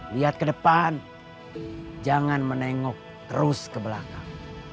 lihat ke depan jangan menengok terus ke belakang